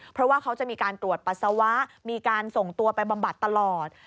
เพราะว่าเขาจะมีการตรวจปัสสาวะมีการส่งตัวไปบำบัดตลอด